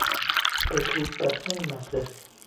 به توپ بستن مجلس